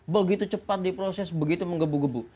begitu cepat diproses begitu menggebu gebu